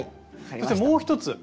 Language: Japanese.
そしてもう１つ。